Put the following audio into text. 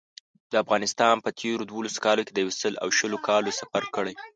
افغانستان په تېرو دولسو کالو کې د یو سل او شلو کالو سفر کړی.